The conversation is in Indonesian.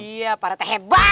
iya pak rete hebat